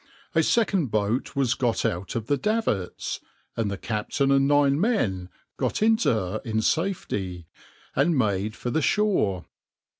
A second boat was got out of the davits, and the captain and nine men got into her in safety, and made for the shore.